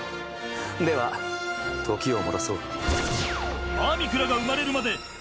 では時を戻そう。